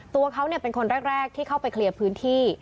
ตัวเขาเป็นคนแรกที่เข้าไปเคลียร์พื้นที่